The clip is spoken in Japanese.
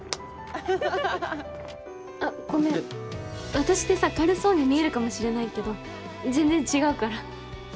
私ってさ軽そうに見えるかもしれないけど全然違うから。